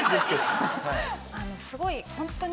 あのすごいホントに。